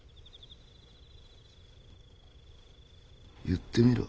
言ってみろ。